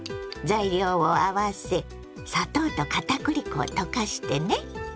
材料を合わせ砂糖とかたくり粉を溶かしてね。